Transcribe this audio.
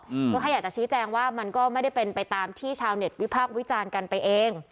ก็แค่อยากจะชี้แจงว่ามันก็ไม่ได้เป็นไปตามที่ชาวเน็ตวิพากษ์วิจารณ์กันไปเอง